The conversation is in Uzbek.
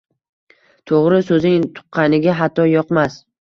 Toʼgʼri soʼzing tuqqaningga hatto yoqmas